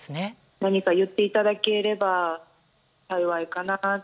何か言っていただければ幸いかなと。